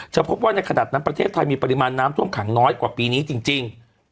พบว่าในขณะนั้นประเทศไทยมีปริมาณน้ำท่วมขังน้อยกว่าปีนี้จริง